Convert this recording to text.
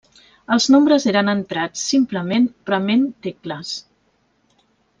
Els nombres eren entrats simplement prement tecles.